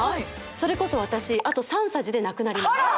それこそ私あと３さじでなくなります